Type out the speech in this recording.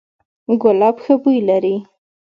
ګلاب ښه بوی لري